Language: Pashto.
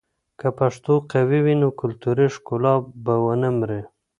که پښتو قوي وي، نو کلتوري ښکلا به ونه مري.